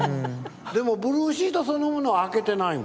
でもブルーシートそのものは開けてないの。